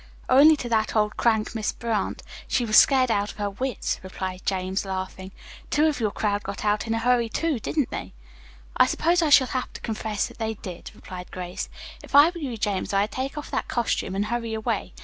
"Only to that old crank Miss Brant. She was scared out of her wits," replied James, laughing. "Two of your crowd got out in a hurry, too, didn't they?" "I suppose I shall have to confess that they did," replied Grace. "If I were you, James, I'd take off that costume and hurry away.